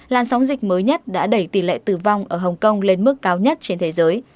làn sóng dịch mới nhất đã đẩy tỷ lệ tử vong ở hồng kông lên mức cao nhất trên thế giới